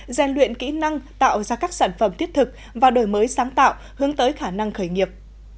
gian luyện kỹ năng tạo ra các sản phẩm thiết thực và đổi mới sáng tạo hướng tới khả năng khởi nghiệp